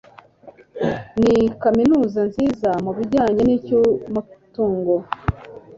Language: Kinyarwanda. ni kaminuza nziza mu bijyanye n'icyungamutungo